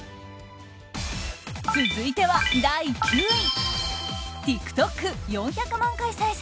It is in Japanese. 続いては第９位！